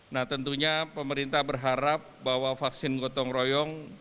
nah tentunya pemerintah berharap bahwa vaksin gotong royong